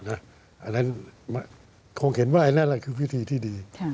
อันนั้นคงเห็นว่าอันนั้นแหละคือวิธีที่ดี